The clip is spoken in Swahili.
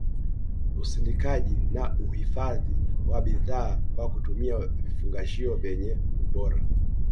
usindikaji na uhifadhi wa bidhaa kwa kutumia vifungashio vyenye ubora